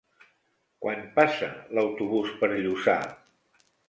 Quan passa l'autobús per Lluçà?